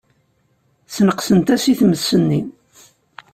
Sneqsent-as i tmes-nni.